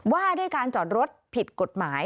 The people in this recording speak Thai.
ว่าด้วยการจอดรถผิดกฎหมาย